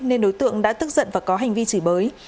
nên đối tượng đã tức giận và có hành vi chỉ bới